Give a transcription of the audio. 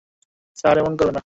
Sir, এমন করবেন না।